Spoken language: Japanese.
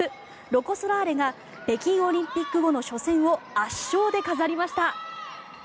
ロコ・ソラーレが北京オリンピック後の初戦を圧勝で飾りました。